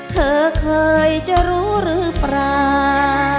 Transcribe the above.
เธอเคยจะรู้หรือเปล่า